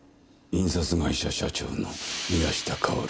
印刷会社社長の宮下薫。